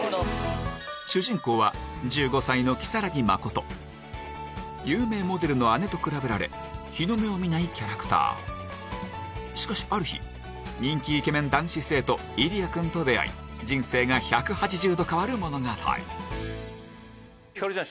主人公は１５歳の如月麻琴有名モデルの姉と比べられ日の目を見ないキャラクターしかしある日人気イケメン男子生徒入谷くんと出会い人生が１８０度変わる物語ひかるちゃん